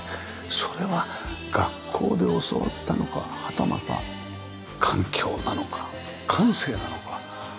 それは学校で教わったのかはたまた環境なのか感性なのか。